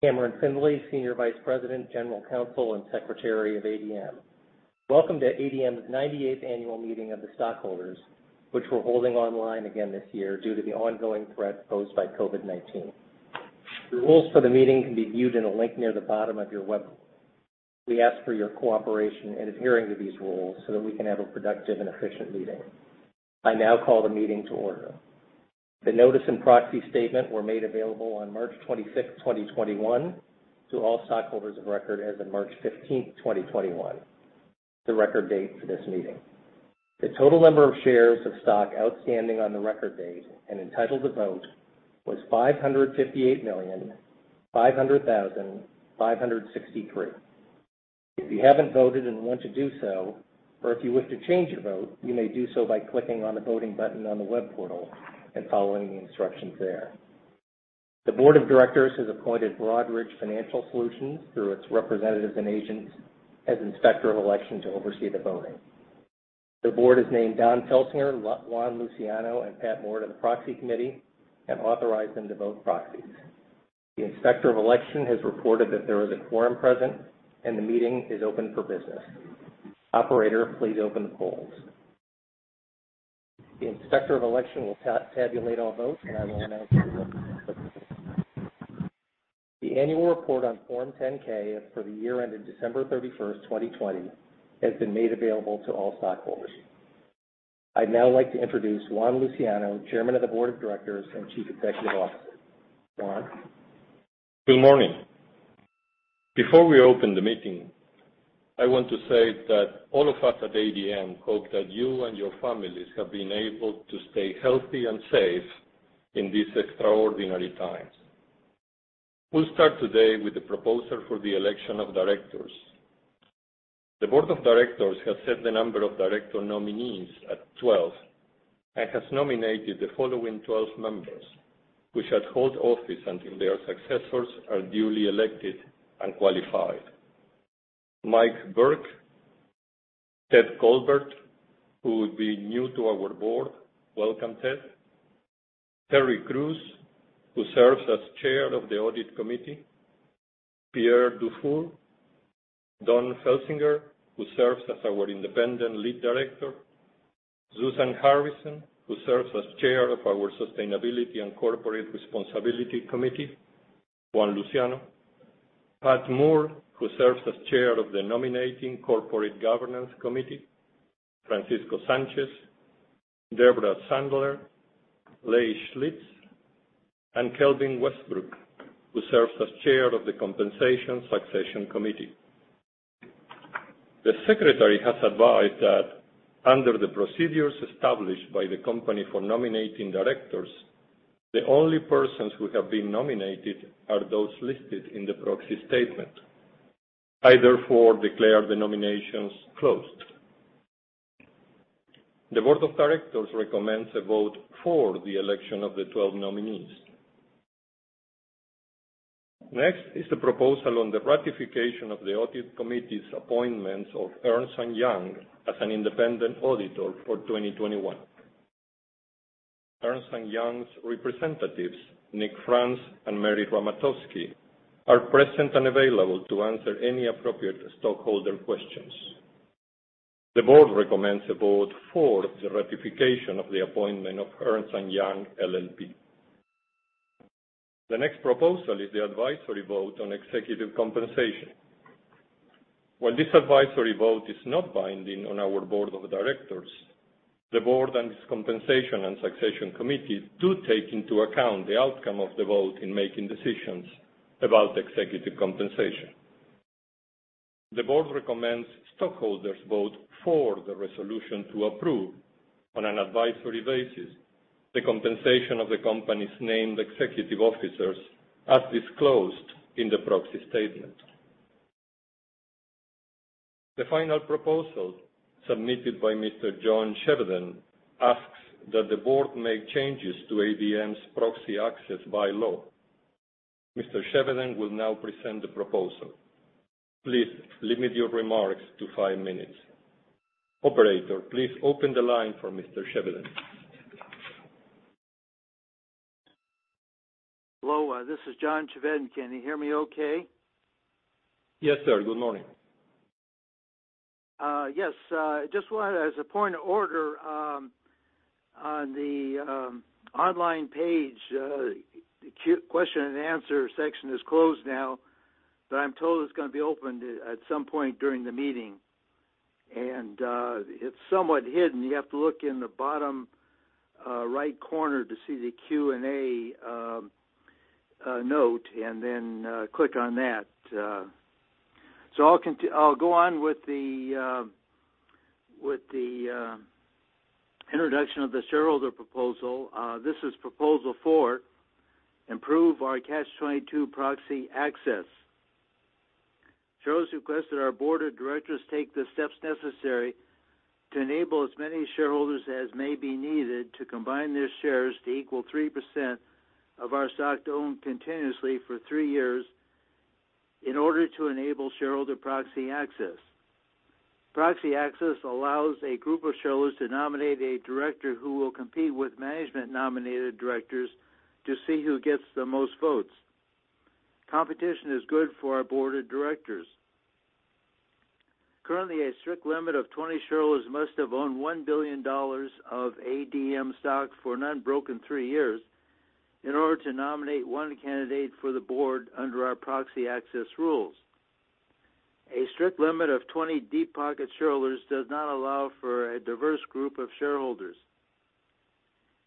Cameron Findlay, Senior Vice President, General Counsel, and Secretary of ADM. Welcome to ADM's 98th annual meeting of the stockholders, which we're holding online again this year due to the ongoing threat posed by COVID-19. The rules for the meeting can be viewed in a link near the bottom of your web. We ask for your cooperation in adhering to these rules so that we can have a productive and efficient meeting. I now call the meeting to order. The notice and proxy statement were made available on March 26th, 2021, to all stockholders of record as of March 15th, 2021, the record date for this meeting. The total number of shares of stock outstanding on the record date and entitled to vote was 558,500,563. If you haven't voted and want to do so, or if you wish to change your vote, you may do so by clicking on the voting button on the web portal and following the instructions there. The Board of Directors has appointed Broadridge Financial Solutions through its representatives and agents as Inspector of Election to oversee the voting. The Board has named Don Felsinger, Juan Luciano, and Pat Moore to the Proxy Committee and authorized them to vote proxies. The Inspector of Election has reported that there is a quorum present, and the meeting is open for business. Operator, please open the polls. The Inspector of Election will tabulate all votes, and I will announce the results. The annual report on Form 10-K for the year ended December 31st, 2020, has been made available to all stockholders. I'd now like to introduce Juan Luciano, Chairman of the Board of Directors and Chief Executive Officer. Juan? Good morning. Before we open the meeting, I want to say that all of us at ADM hope that you and your families have been able to stay healthy and safe in these extraordinary times. We'll start today with the proposal for the election of directors. The Board of Directors has set the number of director nominees at 12, and has nominated the following 12 members which shall hold office until their successors are duly elected and qualified. Mike Burke, Ted Colbert, who will be new to our Board. Welcome, Ted. Terry Crews, who serves as Chair of the Audit Committee. Pierre Dufour. Don Felsinger, who serves as our independent Lead Director. Suzan Harrison, who serves as chair of our Sustainability and Corporate Responsibility Committee. Juan Luciano. Pat Moore, who serves as chair of the Nominating Corporate Governance Committee. Francisco Sanchez, Debra Sandler, Lei Schlitz, and Kelvin Westbrook, who serves as Chair of the Compensation and Succession Committee. The secretary has advised that under the procedures established by the company for nominating directors, the only persons who have been nominated are those listed in the proxy statement. I therefore declare the nominations closed. The Board of Directors recommends a vote for the election of the 12 nominees. Next is the proposal on the ratification of the Audit Committee's appointments of Ernst & Young as an independent auditor for 2021. Ernst & Young's representatives, Nick Frans and Mary Rzematowski, are present and available to answer any appropriate stockholder questions. The Board recommends a vote for the ratification of the appointment of Ernst & Young LLP. The next proposal is the advisory vote on executive compensation. While this advisory vote is not binding on our Board of Directors, the Board and its Compensation and Succession Committee do take into account the outcome of the vote in making decisions about executive compensation. The Board recommends stockholders vote for the resolution to approve, on an advisory basis, the compensation of the company's named executive officers as disclosed in the proxy statement. The final proposal, submitted by Mr. John Chevedden, asks that the Board make changes to ADM's proxy access bylaw. Mr. Chevedden will now present the proposal. Please limit your remarks to five minutes. Operator, please open the line for Mr. Chevedden. Hello, this is John Chevedden. Can you hear me okay? Yes, sir. Good morning. Yes. Just wanted, as a point of order, on the online page, the question and answer section is closed now, but I'm told it's going to be opened at some point during the meeting. It's somewhat hidden. You have to look in the bottom right corner to see the Q&A note and then click on that. I'll go on with the introduction of the shareholder proposal. This is Proposal Four, improve our Catch-22 proxy access. Shares request that our Board of Directors take the steps necessary to enable as many shareholders as may be needed to combine their shares to equal 3% of our stock owned continuously for three years in order to enable shareholder proxy access. Proxy access allows a group of shareholders to nominate a director who will compete with management-nominated directors to see who gets the most votes. Competition is good for our Board of Directors. Currently, a strict limit of 20 shareholders must have owned $1 billion of ADM stock for an unbroken three years in order to nominate one candidate for the Board under our proxy access rules. A strict limit of 20 deep-pocket shareholders does not allow for a diverse group of shareholders.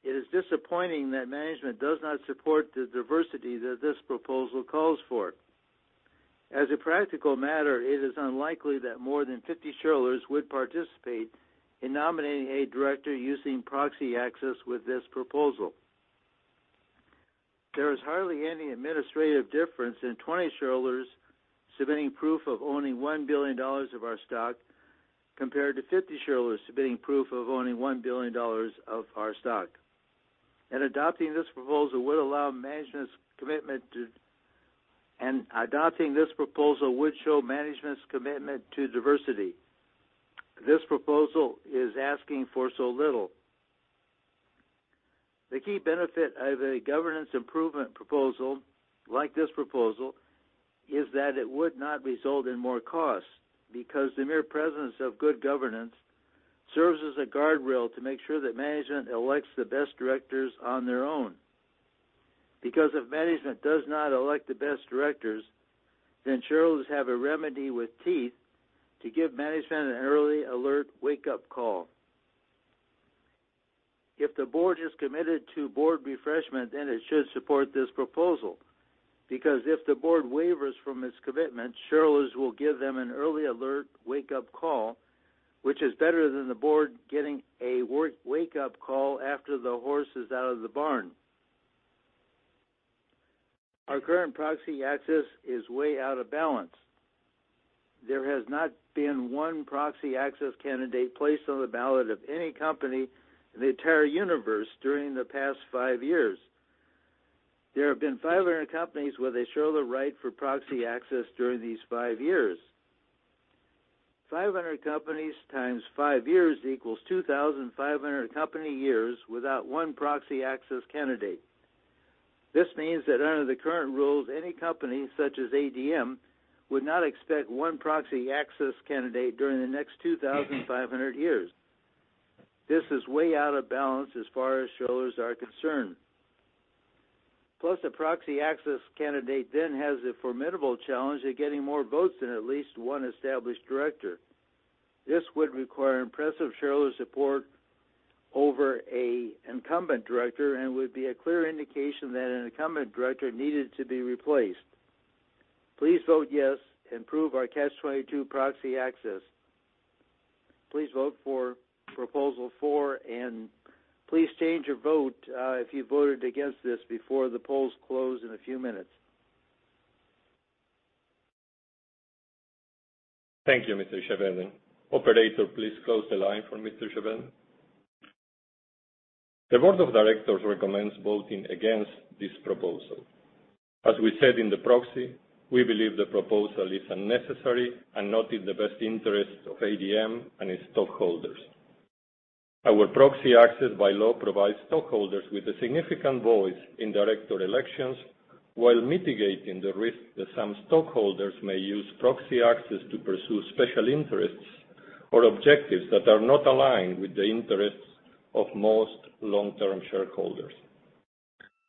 It is disappointing that management does not support the diversity that this proposal calls for. As a practical matter, it is unlikely that more than 50 shareholders would participate in nominating a director using proxy access with this proposal. There is hardly any administrative difference in 20 shareholders submitting proof of owning $1 billion of our stock compared to 50 shareholders submitting proof of owning $1 billion of our stock. Adopting this proposal would show management's commitment to diversity. This proposal is asking for so little. The key benefit of a governance improvement proposal like this proposal is that it would not result in more costs, because the mere presence of good governance serves as a guardrail to make sure that management elects the best directors on their own. If management does not elect the best directors, then shareholders have a remedy with teeth to give management an early alert wake-up call. If the Board is committed to Board refreshment, then it should support this proposal, because if the Board wavers from its commitment, shareholders will give them an early alert wake-up call, which is better than the Board getting a wake-up call after the horse is out of the barn. Our current proxy access is way out of balance. There has not been one proxy access candidate placed on the ballot of any company in the entire universe during the past five years. There have been 500 companies where they show the right for proxy access during these five years. 500 companies times five years equals 2,500 company years without one proxy access candidate. This means that under the current rules, any company such as ADM would not expect one proxy access candidate during the next 2,500 years. This is way out of balance as far as shareholders are concerned. Plus, a proxy access candidate then has the formidable challenge of getting more votes than at least one established director. This would require impressive shareholder support over an incumbent director and would be a clear indication that an incumbent director needed to be replaced. Please vote yes. Improve our Catch-22 proxy access. Please vote for Proposal Four, and please change your vote if you voted against this before the polls close in a few minutes. Thank you, Mr. John Chevedden. Operator, please close the line for Mr. John Chevedden. The Board of Directors recommends voting against this proposal. As we said in the proxy, we believe the proposal is unnecessary and not in the best interest of ADM and its stockholders. Our proxy access by law provides stockholders with a significant voice in director elections while mitigating the risk that some stockholders may use proxy access to pursue special interests or objectives that are not aligned with the interests of most long-term shareholders.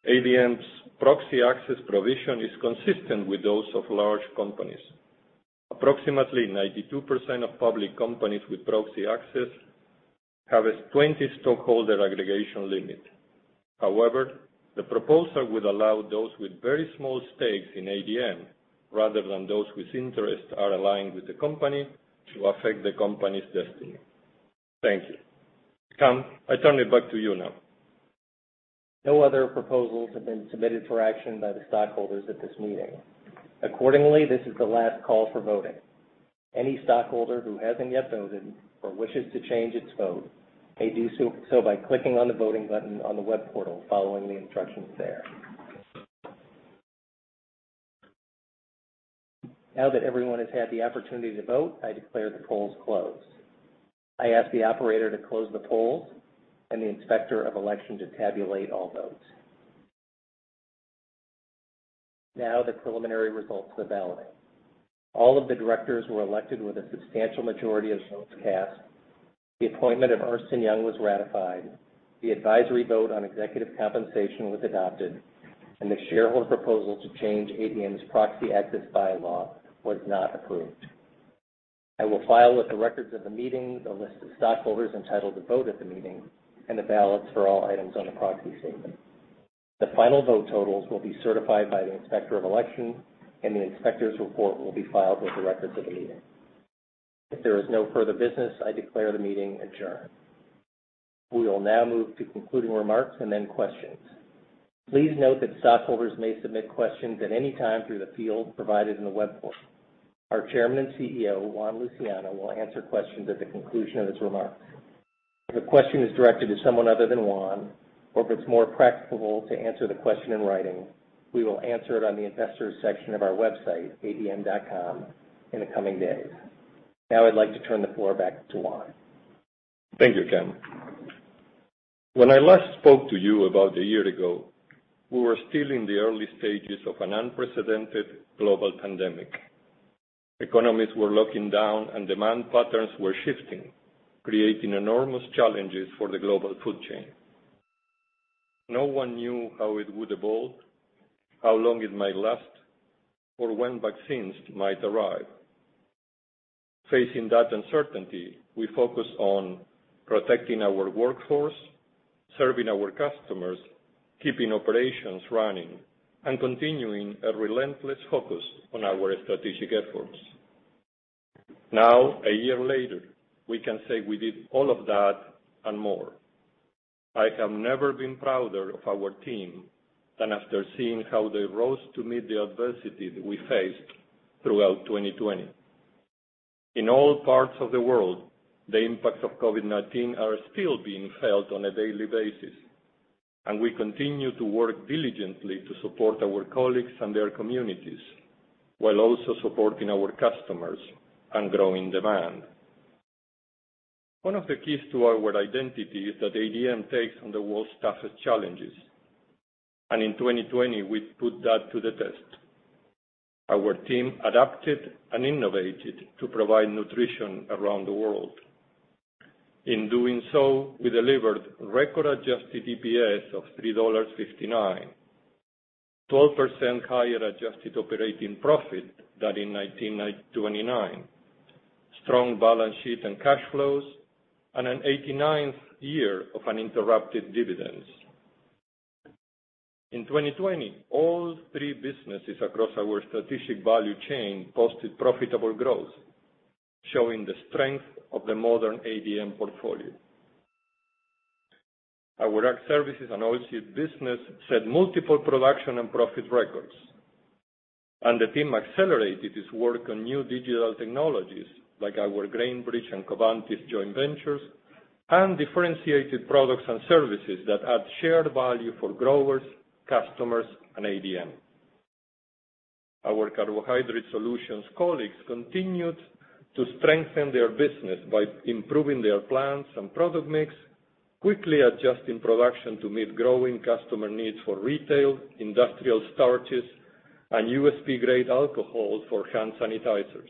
ADM's proxy access provision is consistent with those of large companies. Approximately 92% of public companies with proxy access have a 20 stockholder aggregation limit. However, the proposal would allow those with very small stakes in ADM, rather than those whose interests are aligned with the company, to affect the company's destiny. Thank you. Cam, I turn it back to you now. No other proposals have been submitted for action by the stockholders at this meeting. Accordingly, this is the last call for voting. Any stockholder who hasn't yet voted or wishes to change its vote may do so by clicking on the voting button on the web portal, following the instructions there. Now that everyone has had the opportunity to vote, I declare the polls closed. I ask the operator to close the polls and the Inspector of Election to tabulate all votes. Now the preliminary results of the ballot. All of the directors were elected with a substantial majority of votes cast. The appointment of Ernst & Young was ratified. The advisory vote on executive compensation was adopted. The shareholder proposal to change ADM's proxy access bylaw was not approved. I will file with the records of the meeting, the list of stockholders entitled to vote at the meeting, and the ballots for all items on the proxy statement. The final vote totals will be certified by the Inspector of Election, and the Inspector's report will be filed with the records of the meeting. If there is no further business, I declare the meeting adjourned. We will now move to concluding remarks and then questions. Please note that stockholders may submit questions at any time through the field provided in the web portal. Our Chairman and CEO, Juan Luciano, will answer questions at the conclusion of his remarks. If a question is directed to someone other than Juan, or if it's more practicable to answer the question in writing, we will answer it on the investors section of our website, adm.com, in the coming days. Now I'd like to turn the floor back to Juan. Thank you, Cam. When I last spoke to you about a year ago, we were still in the early stages of an unprecedented global pandemic. Economies were locking down and demand patterns were shifting, creating enormous challenges for the global food chain. No one knew how it would evolve, how long it might last, or when vaccines might arrive. Facing that uncertainty, we focused on protecting our workforce, serving our customers, keeping operations running, and continuing a relentless focus on our strategic efforts. Now, a year later, we can say we did all of that and more. I have never been prouder of our team than after seeing how they rose to meet the adversity that we faced throughout 2020. In all parts of the world, the impacts of COVID-19 are still being felt on a daily basis, and we continue to work diligently to support our colleagues and their communities, while also supporting our customers and growing demand. One of the keys to our identity is that ADM takes on the world's toughest challenges. In 2020, we put that to the test. Our team adapted and innovated to provide nutrition around the world. In doing so, we delivered record adjusted EPS of $3.59, 12% higher adjusted operating profit than in 2019, strong balance sheet and cash flows, and an 89th year of uninterrupted dividends. In 2020, all three businesses across our strategic value chain posted profitable growth, showing the strength of the modern ADM portfolio. Our Ag Services and Oilseeds business set multiple production and profit records. The team accelerated its work on new digital technologies, like our GrainBridge and Covantis joint ventures, and differentiated products and services that add shared value for growers, customers, and ADM. Our Carbohydrate Solutions colleagues continued to strengthen their business by improving their plants and product mix, quickly adjusting production to meet growing customer needs for retail, industrial starches, and USP-grade alcohol for hand sanitizers.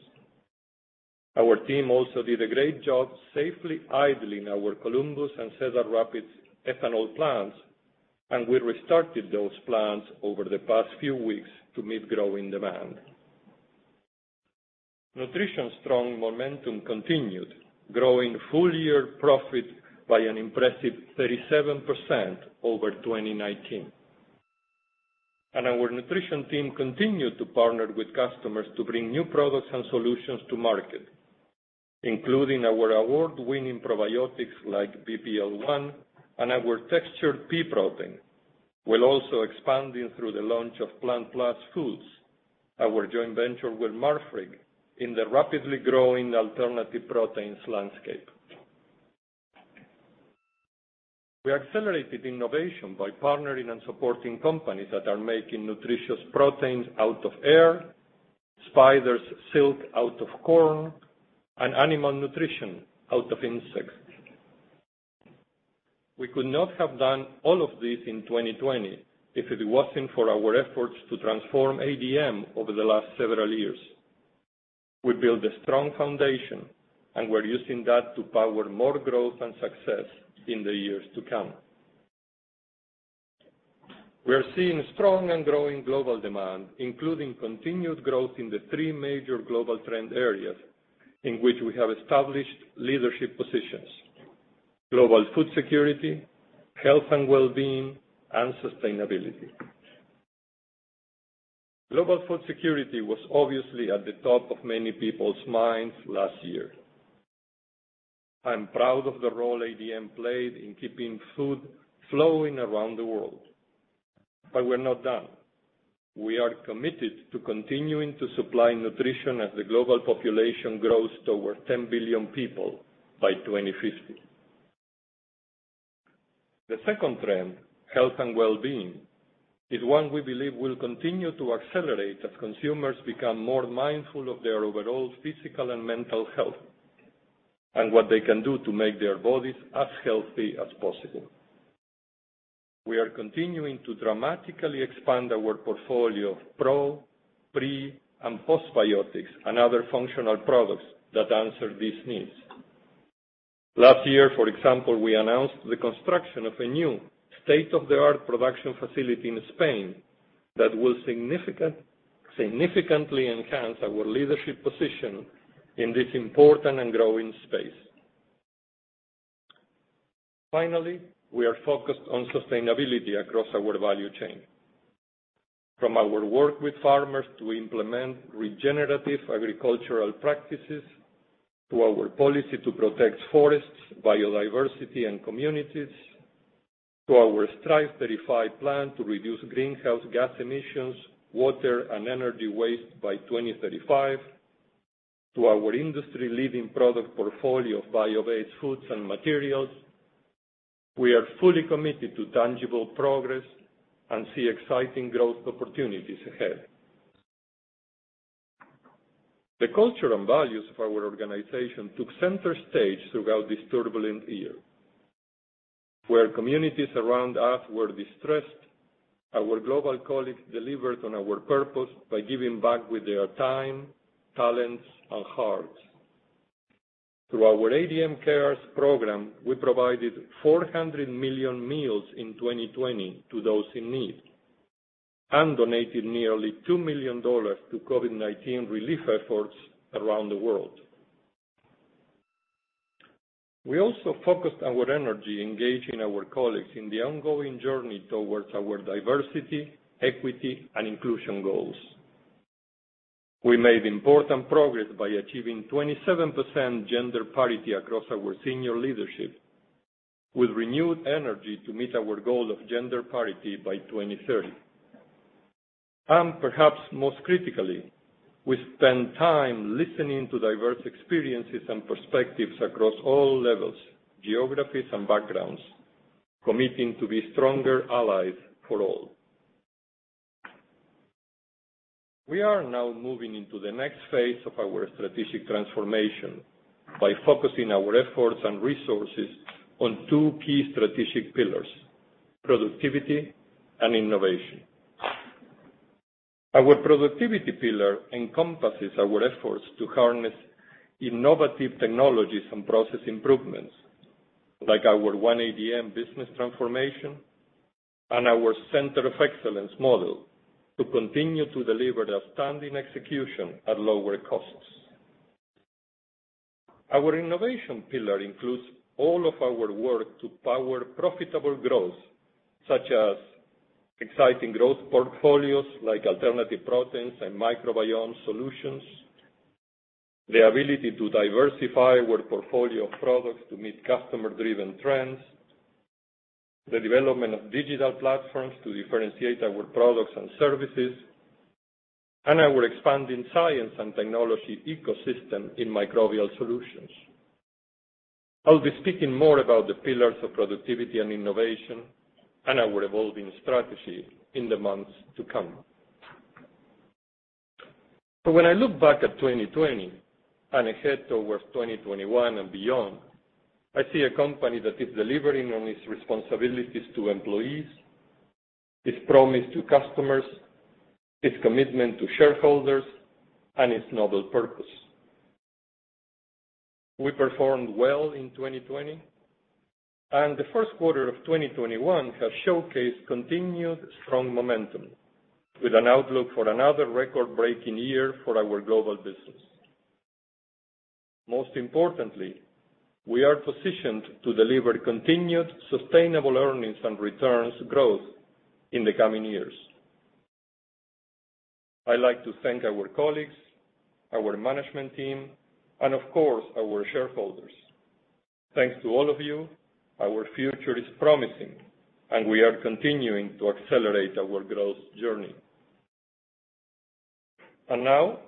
Our team also did a great job safely idling our Columbus and Cedar Rapids ethanol plants, and we restarted those plants over the past few weeks to meet growing demand. Nutrition's strong momentum continued, growing full-year profit by an impressive 37% over 2019. Our Nutrition team continued to partner with customers to bring new products and solutions to market, including our award-winning probiotics like BPL1 and our Textured Pea Protein, while also expanding through the launch of PlantPlus Foods, our joint venture with Marfrig, in the rapidly growing alternative proteins landscape. We accelerated innovation by partnering and supporting companies that are making nutritious proteins out of air, spider silk out of corn, and animal nutrition out of insects. We could not have done all of this in 2020 if it wasn't for our efforts to transform ADM over the last several years. We built a strong foundation, and we're using that to power more growth and success in the years to come. We are seeing strong and growing global demand, including continued growth in the three major global trend areas in which we have established leadership positions: global food security, health and well-being, and sustainability. Global food security was obviously at the top of many people's minds last year. I am proud of the role ADM played in keeping food flowing around the world. We're not done. We are committed to continuing to supply nutrition as the global population grows to over 10 billion people by 2050. The second trend, health and well-being, is one we believe will continue to accelerate as consumers become more mindful of their overall physical and mental health, and what they can do to make their bodies as healthy as possible. We are continuing to dramatically expand our portfolio of pro-, pre-, and postbiotics and other functional products that answer these needs. Last year, for example, we announced the construction of a new state-of-the-art production facility in Spain that will significantly enhance our leadership position in this important and growing space. We are focused on sustainability across our value chain. From our work with farmers to implement regenerative agricultural practices to our policy to protect forests, biodiversity, and communities, to our Strive 35 plan to reduce greenhouse gas emissions, water and energy waste by 2035, to our industry-leading product portfolio of bio-based foods and materials. We are fully committed to tangible progress and see exciting growth opportunities ahead. The culture and values of our organization took center stage throughout this turbulent year. Where communities around us were distressed, our global colleagues delivered on our purpose by giving back with their time, talents, and hearts. Through our ADM Cares program, we provided 400 million meals in 2020 to those in need and donated nearly $2 million to COVID-19 relief efforts around the world. We also focused our energy engaging our colleagues in the ongoing journey towards our diversity, equity, and inclusion goals. We made important progress by achieving 27% gender parity across our senior leadership with renewed energy to meet our goal of gender parity by 2030. Perhaps most critically, we spent time listening to diverse experiences and perspectives across all levels, geographies, and backgrounds, committing to be stronger allies for all. We are now moving into the next phase of our strategic transformation by focusing our efforts and resources on two key strategic pillars, productivity and innovation. Our productivity pillar encompasses our efforts to harness innovative technologies and process improvements, like our 1 ADM business transformation and our center of excellence model, to continue to deliver outstanding execution at lower costs. Our innovation pillar includes all of our work to power profitable growth, such as exciting growth portfolios like alternative proteins and microbiome solutions, the ability to diversify our portfolio of products to meet customer-driven trends, the development of digital platforms to differentiate our products and services, and our expanding science and technology ecosystem in microbial solutions. I'll be speaking more about the pillars of productivity and innovation and our evolving strategy in the months to come. When I look back at 2020 and ahead towards 2021 and beyond, I see a company that is delivering on its responsibilities to employees, its promise to customers, its commitment to shareholders, and its noble purpose. We performed well in 2020, the first quarter of 2021 has showcased continued strong momentum with an outlook for another record-breaking year for our global business. Most importantly, we are positioned to deliver continued sustainable earnings and returns growth in the coming years. I'd like to thank our colleagues, our management team, and of course, our shareholders. Thanks to all of you, our future is promising, and we are continuing to accelerate our growth journey. Now,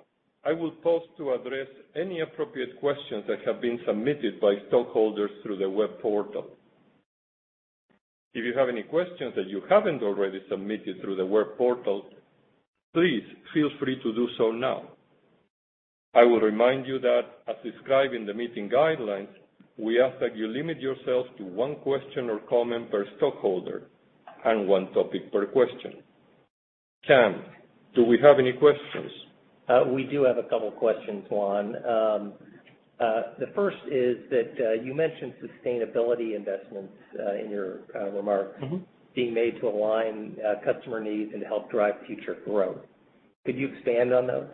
I will pause to address any appropriate questions that have been submitted by stakeholders through the web portal. If you have any questions that you haven't already submitted through the web portal, please feel free to do so now. I will remind you that as described in the meeting guidelines, we ask that you limit yourself to one question or comment per stakeholder and one topic per question. Cam, do we have any questions? We do have a couple questions, Juan. The first is that you mentioned sustainability investments in your remarks, being made to align customer needs and help drive future growth. Could you expand on those?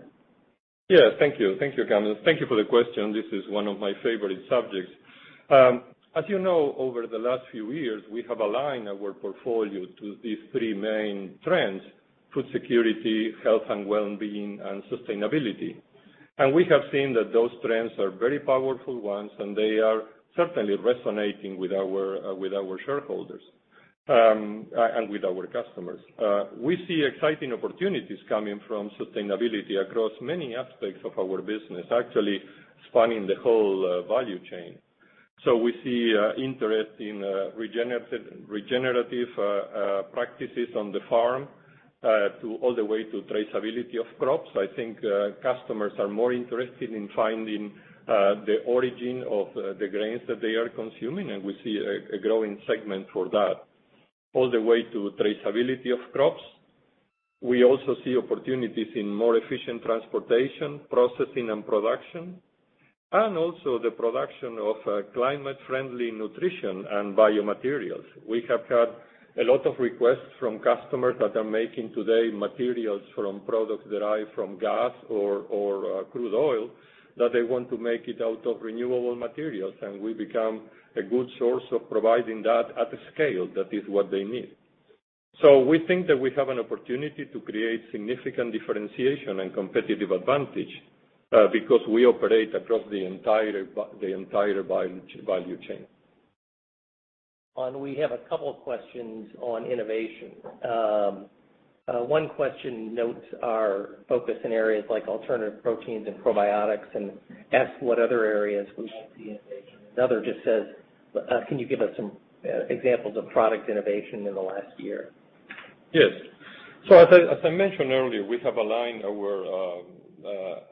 Thank you. Thank you, Cameron. Thank you for the question. This is one of my favorite subjects. As you know, over the last few years, we have aligned our portfolio to these three main trends: food security, health and well-being, and sustainability. We have seen that those trends are very powerful ones, and they are certainly resonating with our shareholders and with our customers. We see exciting opportunities coming from sustainability across many aspects of our business, actually spanning the whole value chain. We see interest in regenerative practices on the farm all the way to traceability of crops. I think customers are more interested in finding the origin of the grains that they are consuming, and we see a growing segment for that, all the way to traceability of crops. We also see opportunities in more efficient transportation, processing, and production, and also the production of climate-friendly nutrition and biomaterials. We have had a lot of requests from customers that are making today materials from products derived from gas or crude oil that they want to make it out of renewable materials, and we become a good source of providing that at the scale that is what they need. We think that we have an opportunity to create significant differentiation and competitive advantage because we operate across the entire value chain. Juan, we have a couple of questions on innovation. One question notes our focus in areas like alternative proteins and probiotics and asks what other areas we might see innovation. Another just says, "Can you give us some examples of product innovation in the last year? Yes. As I mentioned earlier, we have aligned our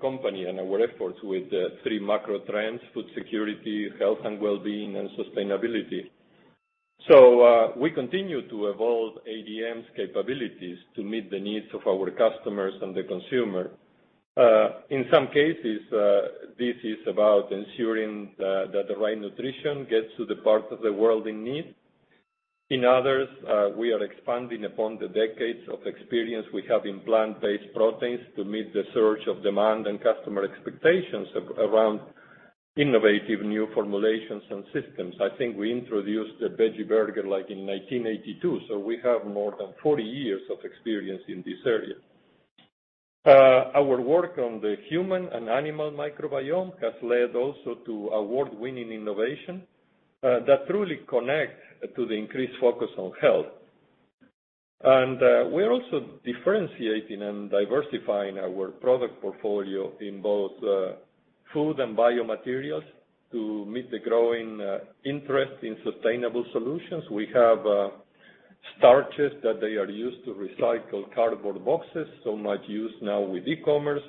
company and our efforts with the three macro trends: food security, health and wellbeing, and sustainability. We continue to evolve ADM's capabilities to meet the needs of our customers and the consumer. In some cases, this is about ensuring that the right nutrition gets to the parts of the world in need. In others, we are expanding upon the decades of experience we have in plant-based proteins to meet the surge of demand and customer expectations around innovative new formulations and systems. I think we introduced the veggie burger, like, in 1982. We have more than 40 years of experience in this area. Our work on the human and animal microbiome has led also to award-winning innovation that truly connects to the increased focus on health. We're also differentiating and diversifying our product portfolio in both food and biomaterials to meet the growing interest in sustainable solutions. We have starches that they are used to recycle cardboard boxes, so much use now with e-commerce.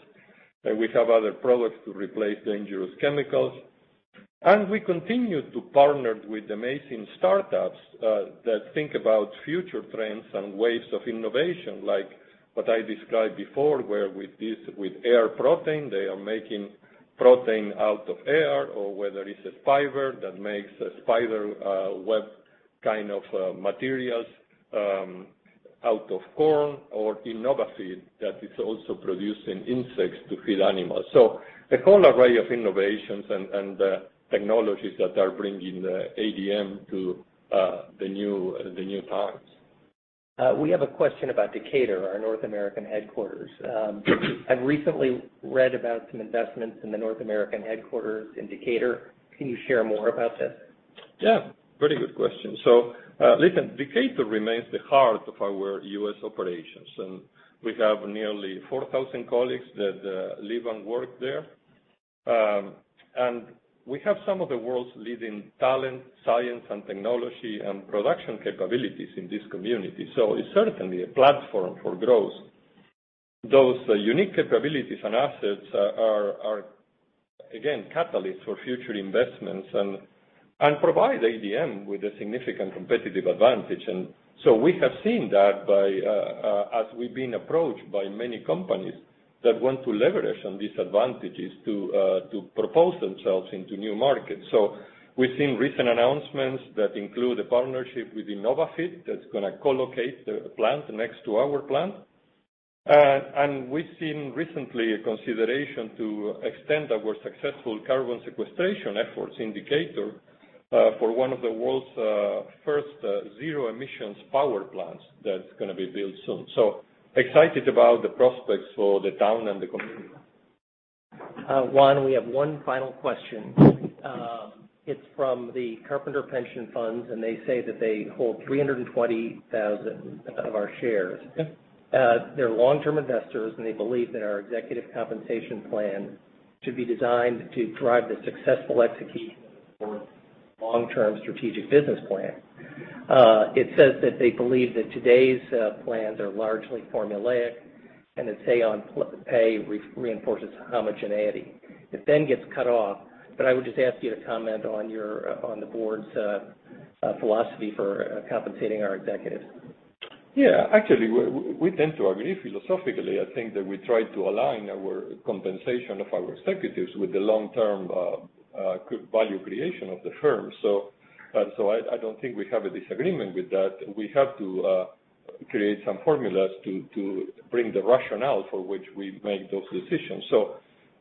We have other products to replace dangerous chemicals. We continue to partner with amazing startups that think about future trends and ways of innovation, like what I described before, where with Air Protein, they are making protein out of air, or whether it's a fiber that makes spider web kind of materials out of corn, or InnovaFeed, that is also producing insects to feed animals. A whole array of innovations and technologies that are bringing ADM to the new times. We have a question about Decatur, our North American headquarters. I've recently read about some investments in the North American headquarters in Decatur. Can you share more about this? Yeah, pretty good question. Listen, Decatur remains the heart of our U.S. operations, and we have nearly 4,000 colleagues that live and work there. We have some of the world's leading talent, science, and technology, and production capabilities in this community, so it's certainly a platform for growth. Those unique capabilities and assets are, again, catalysts for future investments and provide ADM with a significant competitive advantage. We have seen that as we've been approached by many companies that want to leverage on these advantages to propose themselves into new markets. We've seen recent announcements that include a partnership with InnovaFeed that's going to co-locate their plant next to our plant. We've seen recently a consideration to extend our successful carbon sequestration efforts in Decatur for one of the world's first zero emissions power plants that's going to be built soon. Excited about the prospects for the town and the community. Juan, we have one final question. It's from the Carpenter Pension Funds, and they say that they hold 320,000 of our shares. Okay. They're long-term investors, and they believe that our executive compensation plan should be designed to drive the successful execution of our long-term strategic business plan. It says that they believe that today's plans are largely formulaic, and its pay reinforces homogeneity. It then gets cut off, but I would just ask you to comment on the Board's philosophy for compensating our executives. Yeah. Actually, we tend to agree philosophically. I think that we try to align our compensation of our executives with the long-term value creation of the firm. I don't think we have a disagreement with that. We have to create some formulas to bring the rationale for which we make those decisions.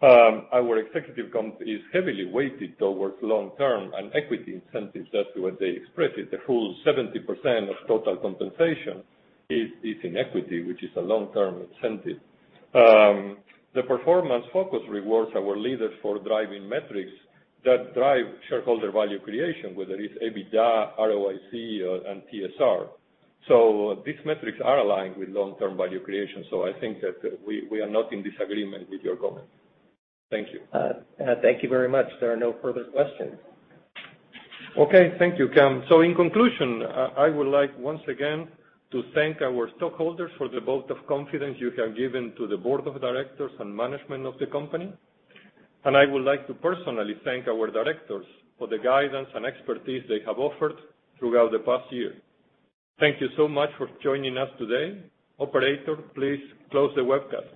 Our executive comp is heavily weighted towards long-term and equity incentives. That's the way they express it. The full 70% of total compensation is in equity, which is a long-term incentive. The performance focus rewards our leaders for driving metrics that drive shareholder value creation, whether it's EBITDA, ROIC, and TSR. These metrics are aligned with long-term value creation. I think that we are not in disagreement with your comment. Thank you. Thank you very much. There are no further questions. Okay. Thank you, Cam. In conclusion, I would like once again to thank our stockholders for the vote of confidence you have given to the Board of Directors and management of the company. I would like to personally thank our directors for the guidance and expertise they have offered throughout the past year. Thank you so much for joining us today. Operator, please close the webcast.